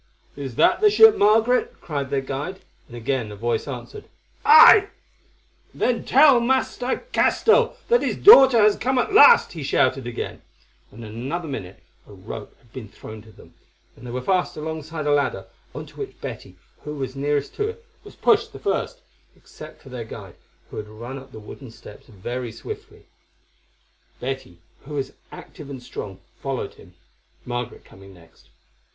"Is that the ship Margaret?" cried their guide, and again a voice answered "Aye." "Then tell Master Castell that his daughter has come at last," he shouted again, and in another minute a rope had been thrown to them, and they were fast alongside a ladder on to which Betty, who was nearest to it, was pushed the first, except for their guide, who had run up the wooden steps very swiftly. Betty, who was active and strong, followed him, Margaret coming next.